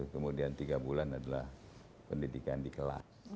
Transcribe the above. kemudian tiga bulan adalah pendidikan di kelas